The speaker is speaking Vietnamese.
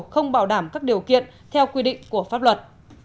không bảo đảm các điều kiện theo quy định của pháp luật